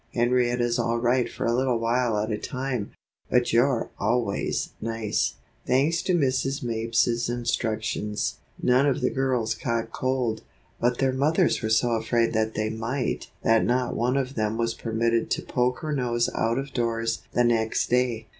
"Henrietta's all right for a little while at a time, but you're always nice." Thanks to Mrs. Mapes's instructions, none of the girls caught cold; but their mothers were so afraid that they might that not one of them was permitted to poke her nose out of doors the next day.